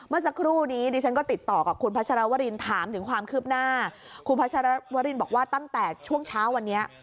เมื่อสักครู่นี้ดิฉันก็ติดต่อกับคุณพัชรวรินถามถึงความคืบหน้าคุณพัชรวรินบอกว่าตั้งแต่ช่วงเช้าวันนี้